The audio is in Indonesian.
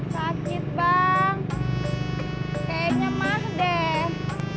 sakit bang kayaknya nyemah deh